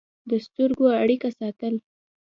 د سترګو اړیکه ساتل